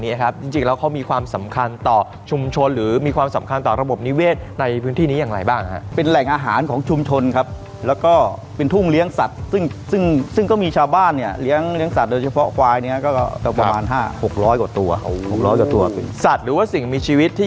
ครับจริงจริงแล้วเขามีความสำคัญต่อชุมชนหรือมีความสำคัญต่อระบบนิเวศในพื้นที่นี้อย่างไรบ้างฮะเป็นแหล่งอาหารของชุมชนครับแล้วก็เป็นทุ่งเลี้ยงสัตว์ซึ่งซึ่งก็มีชาวบ้านเนี่ยเลี้ยงสัตว์โดยเฉพาะควายเนี้ยก็ประมาณห้าหกร้อยกว่าตัวหกร้อยกว่าตัวเป็นสัตว์หรือว่าสิ่งมีชีวิตที่